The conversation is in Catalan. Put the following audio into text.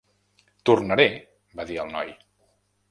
"Tornaré", va dir el noi.